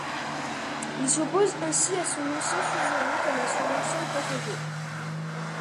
Il s'oppose ainsi à son ancien suzerain comme à son ancien protégé.